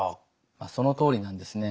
そのとおりなんですね。